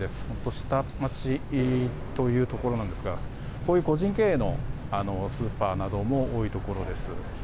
下町というところなんですがこういう個人経営のスーパーなども多いところです。